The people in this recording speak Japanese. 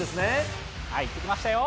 行ってきましたよ。